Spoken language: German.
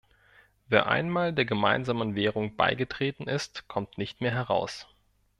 Wer einmal der gemeinsamen Währung beigetreten ist, kommt nicht mehr heraus.